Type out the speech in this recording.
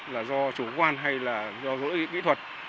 là do chủ quan hay là do lỗi kỹ thuật